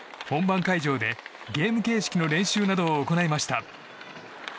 本番会場でゲーム形式の練習などを行いました。